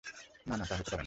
না, না, তা হতে পারে না।